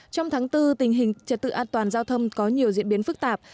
trong tháng bốn tình hình trật tự an toàn giao thông có nhiều diễn biến phức tạp